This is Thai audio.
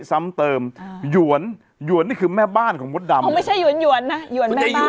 ซ้ำเติมหยวนหยวนนี่คือแม่บ้านของมดดำอ๋อไม่ใช่หยวนหยวนนะ